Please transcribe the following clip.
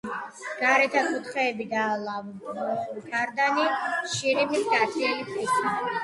გარეთა კუთხეები და ლავგარდანი შირიმის გათლილი ქვისაა.